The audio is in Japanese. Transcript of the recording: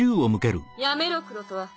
やめろクロトワ。